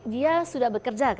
dia sudah bekerja